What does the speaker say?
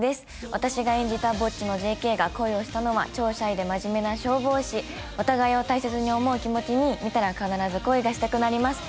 私が演じたぼっちのＪＫが恋をしたのは超シャイで真面目な消防士お互いを大切に思う気持ちに見たら必ず恋がしたくなります